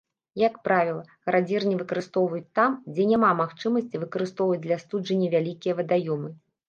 Як правіла, градзірні выкарыстоўваюць там, дзе няма магчымасці выкарыстоўваць для астуджэння вялікія вадаёмы.